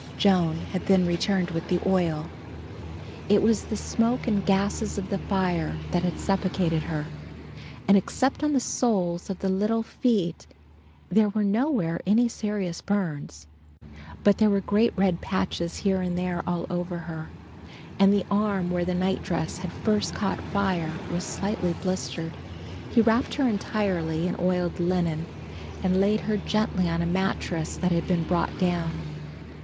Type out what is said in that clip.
Joan had then returned with the oil. It was the smoke and gases of the fire that had suffocated her, and except on the soles of the little feet there were nowhere any serious burns. But there were great red patches here and there all over her, and the arm where the night dress had first caught fire was slightly blistered. He wrapped her entirely in oiled linen, and laid her gently on a mattrass that had been brought down.